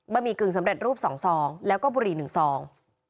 หมี่กึ่งสำเร็จรูป๒ซองแล้วก็บุหรี่๑ซอง